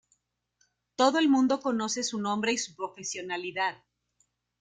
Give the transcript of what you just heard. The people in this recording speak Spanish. Todo el mundo conoce su nombre y su profesionalidad.